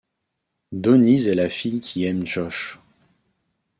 Donnise est la fille qui aime Josh.